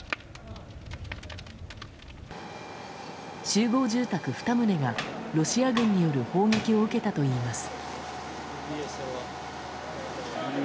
集合住宅２棟がロシア軍による砲撃を受けたといいます。